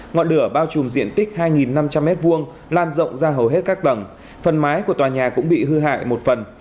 ngọn lửa bao trùm diện tích hai năm trăm linh m hai lan rộng ra hầu hết các tầng phần mái của tòa nhà cũng bị hư hại một phần